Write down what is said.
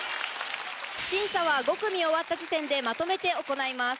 審査は５組終わった時点でまとめて行います。